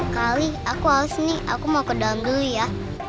kali aku harus nih aku mau ke dalam dulu ya